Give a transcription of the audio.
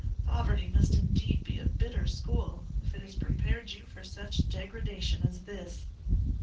poverty must indeed be a bitter school if it has prepared you for such degradation as this!"